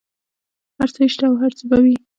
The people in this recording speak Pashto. هر څه یې شته او هر څه به وي.